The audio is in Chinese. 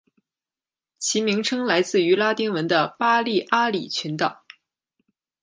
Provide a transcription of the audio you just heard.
其名称来自于拉丁文的巴利阿里群岛。